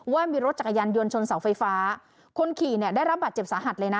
ว่ามีรถจักรยานยนต์ชนเสาไฟฟ้าคนขี่เนี่ยได้รับบาดเจ็บสาหัสเลยนะ